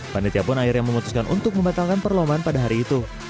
panitia pun akhirnya memutuskan untuk membatalkan perlombaan pada hari itu